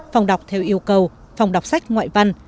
phòng đọc theo yêu cầu phòng đọc sách ngoại văn